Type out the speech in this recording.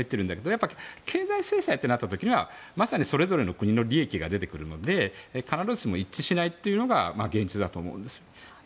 やっぱり経済制裁となったらそれぞれの国の利益が出てくるので必ずしも一致しないというのが現実だと思うんです。